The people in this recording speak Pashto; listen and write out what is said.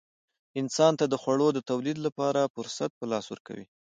انسان ته د خوړو د تولید لپاره فرصت په لاس ورکوي.